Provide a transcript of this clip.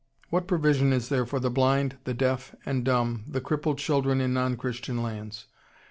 ] What provision is there for the blind, the deaf and dumb, the crippled children in non Christian lands?